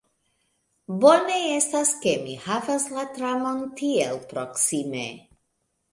Bone estas ke mi havas la tramon tiel proksime.